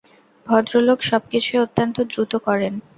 ভদ্রলোক সব কিছুই অত্যন্ত দ্রুত করেন।